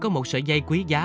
mới có một sợi dây quý giá